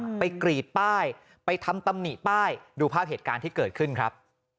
ไปกรีดป้ายไปทำตำหนิป้ายดูภาพเหตุการณ์ที่เกิดขึ้นครับ